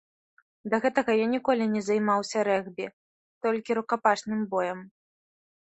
Да гэтага я ніколі не займаўся рэгбі, толькі рукапашным боем.